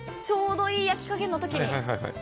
ちょうどいい焼き加減のときに。